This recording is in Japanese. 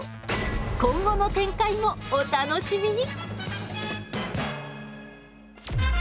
今後の展開もお楽しみに！